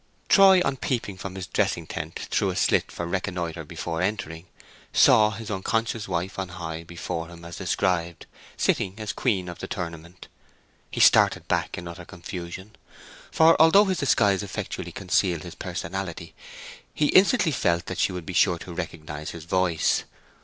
Troy, on peeping from his dressing tent through a slit for a reconnoitre before entering, saw his unconscious wife on high before him as described, sitting as queen of the tournament. He started back in utter confusion, for although his disguise effectually concealed his personality, he instantly felt that she would be sure to recognize his voice.